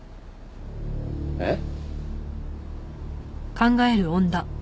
えっ？